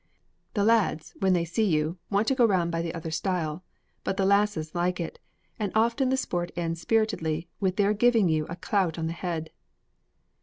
The lads, when they see you, want to go round by the other stile, but the lasses like it, and often the sport ends spiritedly with their giving you a clout on the head.